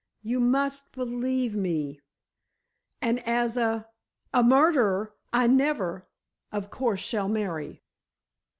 "You must believe me. And as a—a murderer, I never, of course, shall marry."